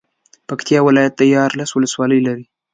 پکتيا ولايت ديارلس ولسوالۍ لري.